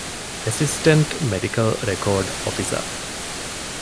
އެސިސްޓެންޓް މެޑިކަލް ރެކޯޑް އޮފިސަރ